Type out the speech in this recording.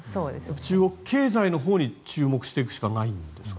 中国経済のほうに注目していくしかないんですか。